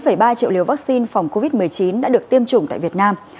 hơn bốn ba triệu liều vaccine phòng covid một mươi chín đã được tiêm chủng tại việt nam